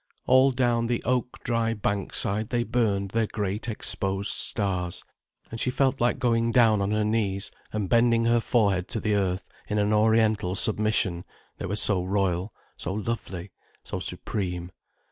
All down the oak dry bankside they burned their great exposed stars. And she felt like going down on her knees and bending her forehead to the earth in an oriental submission, they were so royal, so lovely, so supreme.